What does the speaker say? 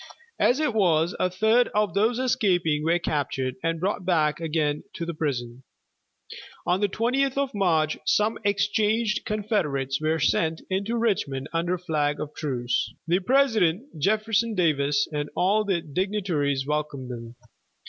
As it was, a third of those escaping were captured and brought back again to the prison. On the 20th of March some exchanged Confederates were sent into Richmond under flag of truce. The President, Jefferson Davis, and all the dignitaries welcomed them.